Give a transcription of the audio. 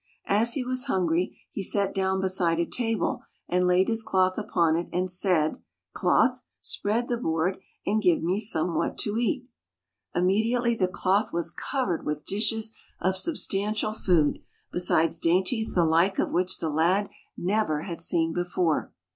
As he was hungry, he sat down beside a table and laid his cloth upon it and said, " Cloth, spread the board, and give me somewhat to eat." [ 119 ] FAVORITE FAIRY TALES RETOLD Immediately the cloth was covered with dishes of substantial food, besides dainties the like of which the lad never had seen before.